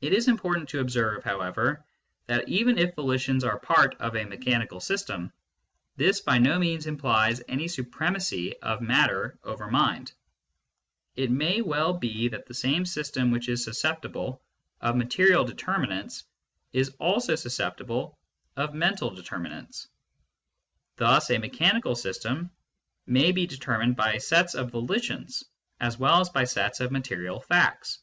It is important to observe, however that even if volitions are part of a mechanical system, this by no means implies any supremacy of matter over mind. It mav well be that the same system which is ON THE NOTION OF CAUSE 207 susceptible of material determinants is also susceptible of mental determinants ; thus a mechanical system may be determined by sets of volitions, as well as by sets of material facts.